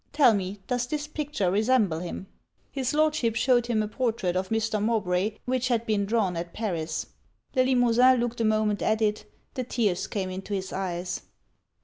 Tell me, does this picture resemble him?' His Lordship shewed him a portrait of Mr. Mowbray which had been drawn at Paris. Le Limosin looked a moment at it the tears came into his eyes.